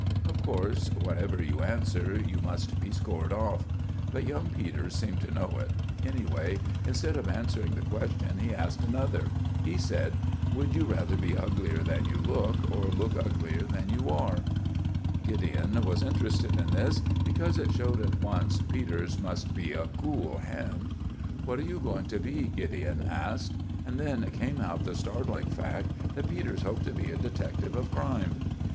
Of course, whatever you answer, you must be scored off. But young Peters seemed to know it. Anyway, instead of answering the question he asked another. He said— "Would you rather be uglier than you look, or look uglier than you are?" [Illustration: "WOULD YOU RATHER BE A GREATER FOOL THAN YOU LOOK, OR LOOK A GREATER FOOL THAN YOU ARE?"] Gideon was interested at this, because it showed at once Peters must be a cool hand. "What are you going to be?" Gideon asked; and then came out the startling fact that Peters hoped to be a detective of crime.